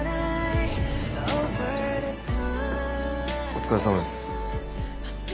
お疲れさまです。